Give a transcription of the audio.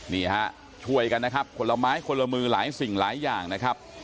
นี่ฮะช่วยกันนะครับคนละไม้คนละมือหลายสิ่งหลายอย่างนะครับ